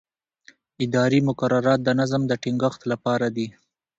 اداري مقررات د نظم د ټینګښت لپاره دي.